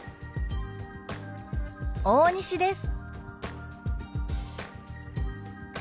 大西です」。